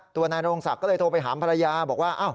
นายโรงศักดิ์ก็เลยโทรไปหาภรรยาบอกว่า